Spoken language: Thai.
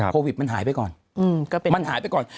โควิดมันหายไปก่อน